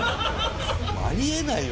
あり得ないよ